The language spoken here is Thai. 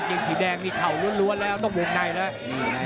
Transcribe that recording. เกงสีแดงมีเข่ารวดแล้วต้องห่วงในแล้ว